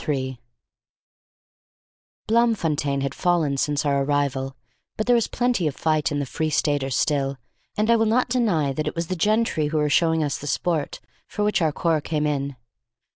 III Bloemfontein had fallen since our arrival, but there was plenty of fight in the Free Staters still, and I will not deny that it was these gentry who were showing us the sport for which our corps came in.